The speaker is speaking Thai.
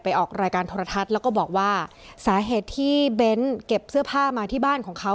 ออกรายการโทรทัศน์แล้วก็บอกว่าสาเหตุที่เบ้นเก็บเสื้อผ้ามาที่บ้านของเขา